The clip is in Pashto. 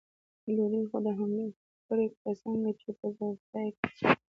دوی خو د حملې هوډ کړی، که څنګه، چې په زړورتیا یې کوي؟